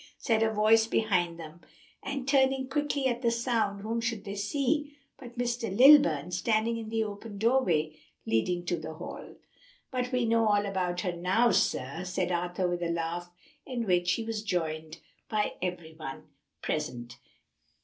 said a voice behind them, and turning quickly at the sound, whom should they see but Mr. Lilburn standing in the open doorway leading to the hall. "But we know all about her now, sir," said Arthur with a laugh, in which he was joined by every one present.